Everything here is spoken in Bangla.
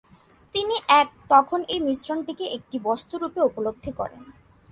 তিনি তখন এই মিশ্রণটিকে একটি বস্তুরূপে উপলব্ধি করেন।